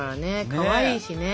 かわいいしね。